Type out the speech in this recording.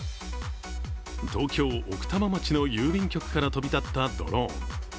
東京・奥多摩町の郵便局から飛び立ったドローン。